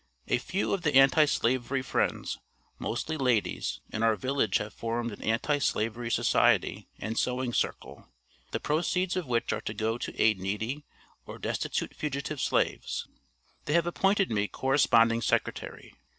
A few of the Anti slavery friends, mostly ladies, in our village have formed an Anti slavery Society and sewing circle, the proceeds of which are to go to aid needy or destitute fugitive slaves. They have appointed me corresponding secretary.